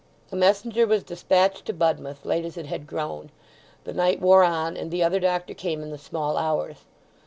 A messenger was despatched to Budmouth, late as it had grown; the night wore on, and the other doctor came in the small hours.